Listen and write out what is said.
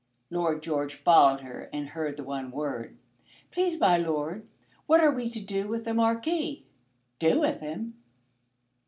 Lord George followed her and heard the one word. "Please, my lord, what are we to do with the Marquis?" "Do with him!"